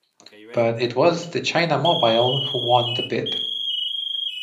But it was the China Mobile who won the bid.